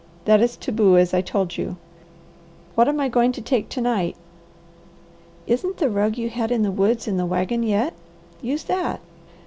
That is taboo, as I told you. What am I going to take to night?" "Isn't the rug you had in the woods in the wagon yet? Use that!"